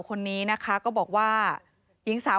ก็ไม่รู้ว่าฟ้าจะระแวงพอพานหรือเปล่า